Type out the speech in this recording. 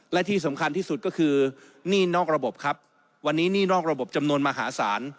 และที่สำคัญที่สุดก็คือหนี้นอกระบบครับวันนี้หนี้นอกระบบจำนวนมหาศาล